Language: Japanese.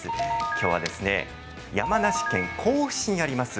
きょうは山梨県甲府市にあります